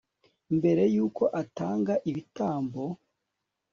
mbere y'uko atanga ibitambo